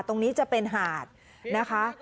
ตรงนี้จะเป็นหาดนะคะ